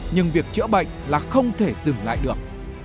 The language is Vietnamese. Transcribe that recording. nhưng việc chữa bệnh là không thể dừng lại được